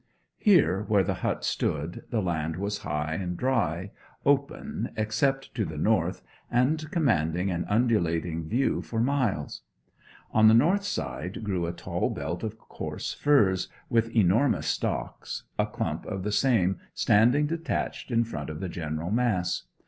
Here, where the hut stood, the land was high and dry, open, except to the north, and commanding an undulating view for miles. On the north side grew a tall belt of coarse furze, with enormous stalks, a clump of the same standing detached in front of the general mass.